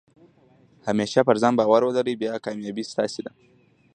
همېشه پر ځان بارو ولرئ، بیا کامیابي ستاسي ده.